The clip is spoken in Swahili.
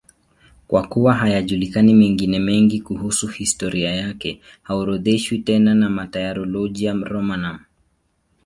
Kwa kuwa hayajulikani mengine mengi kuhusu historia yake, haorodheshwi tena na Martyrologium Romanum.